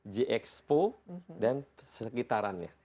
j expo dan sekitarannya